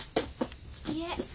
いえ。